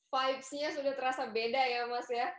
vibe nya sudah terasa beda ya mas ya